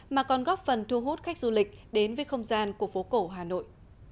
mà còn góp phần thu hút khách du lịch đến với không gian của phố cổ hà nội